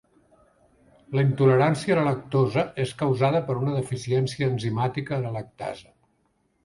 La intolerància a la lactosa és causada per una deficiència enzimàtica a la lactasa.